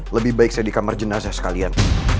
lebih baik saya di kamar jenazah sekalian